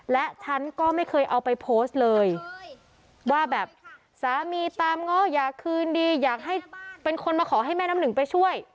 และฉันก็ไม่เคยเอาไปโพสต์เลยว่าแบบสามีตามง้ออยากคืนดีอยากให้เป็นคนมาขอให้แม่น้ำหนึ่งไปช่วย